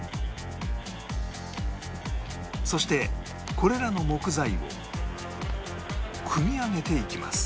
そしてこれらの木材を組み上げていきます